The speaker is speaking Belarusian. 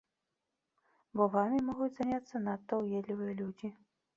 Бо вамі могуць заняцца надта ўедлівыя людзі.